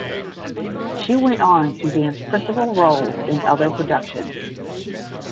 She went on to dance principal roles in other productions.